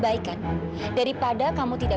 baik kan daripada kamu tidak